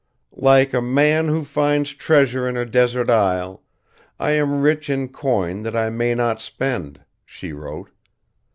"Like a man who finds treasure in a desert isle, I am rich in coin that I may not spend," she wrote.